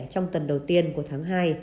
trong tuần đầu tiên của tháng hai